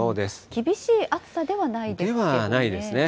厳しい暑さではないですけどね。